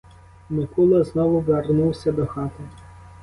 Микула знову вернувся до хати.